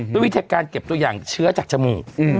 เป็นวิทยาการเก็บตัวอย่างเชื้อจากชมูก